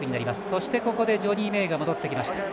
そしてここでジョニー・メイが戻ってきました。